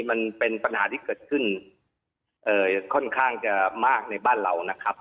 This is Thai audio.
มันเป็นปัญหาที่เกิดขึ้นค่อนข้างจะมากในบ้านเรานะครับ